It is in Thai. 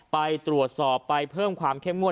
ไปตรวจสอบไปเพิ่มความเข้มงวด